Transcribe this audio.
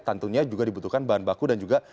tentunya juga dibutuhkan bahan baku dan juga